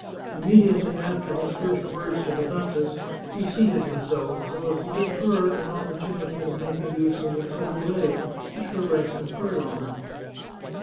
Immediately after his first words to the duchess he seated himself, so as to give her an opportunity of making use of the tabouret which her rank conferred on her.